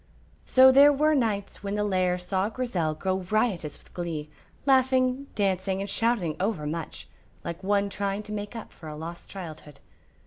So there were nights when the lair saw Grizel go riotous with glee, laughing, dancing, and shouting over much, like one trying to make up for a lost childhood.